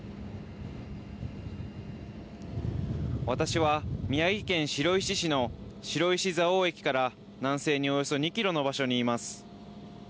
私は宮城県白石市の白石蔵王駅から南西におよそ２キロの場所にいます。